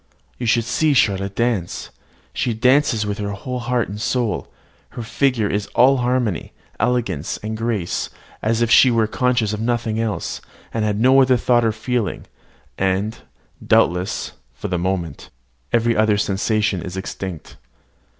You should see Charlotte dance. She dances with her whole heart and soul: her figure is all harmony, elegance, and grace, as if she were conscious of nothing else, and had no other thought or feeling; and, doubtless, for the moment, every other sensation is extinct.